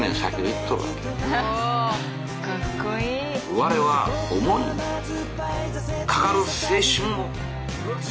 我は思いかかる青春の。